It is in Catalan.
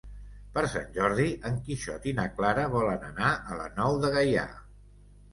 Per Sant Jordi en Quixot i na Clara volen anar a la Nou de Gaià.